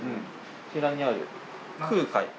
こちらにある空海。